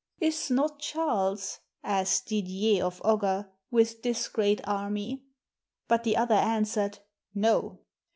*Is not Charles,' asked Didier of Ogger, 'with this great army?' But the other answered, 'No.'